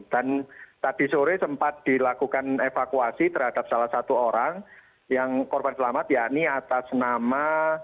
dan tadi sore sempat dilakukan evakuasi terhadap salah satu orang yang korban selamat yakni atas nama